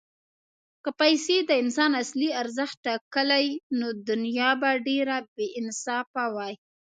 که پیسې د انسان اصلي ارزښت ټاکلی، نو دنیا به ډېره بېانصافه وای.